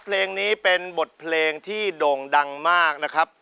เพลงนี้เป็นบทเพลงที่โด่งดังมากนะครับ